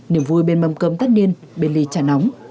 niềm vui bên mầm cơm tắt niên bên ly chả nóng